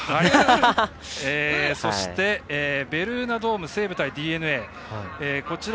そして、ベルーナドーム西武対ＤｅＮＡ。